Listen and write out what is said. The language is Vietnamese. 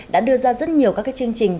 đã đưa ra rất nhiều các chương trình